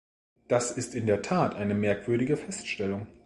Das ist in der Tat eine merkwürdige Feststellung.